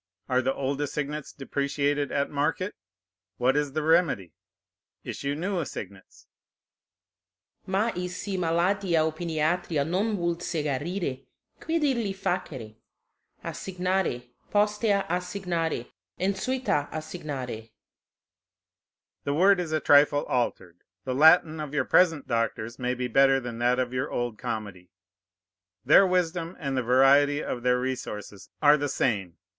Are the old assignats depreciated at market? What is the remedy? Issue new assignats. Mais si maladia opiniatria non vult se garire, quid illi facere? Assignare; postea assignare; ensuita assignare. The word is a trifle altered. The Latin of your present doctors may be better than that of your old comedy; their wisdom and the variety of their resources are the same.